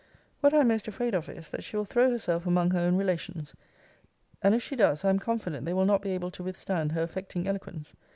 What I am most afraid of is, that she will throw herself among her own relations; and, if she does, I am confident they will not be able to withstand her affecting eloquence.